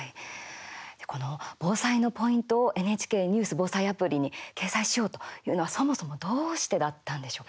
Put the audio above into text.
この防災のポイントをＮＨＫニュース防災アプリに掲載しようというのは、そもそもどうしてだったんでしょうか？